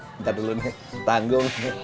nanti dulu nih tanggung